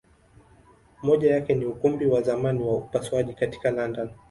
Moja yake ni Ukumbi wa zamani wa upasuaji katika London.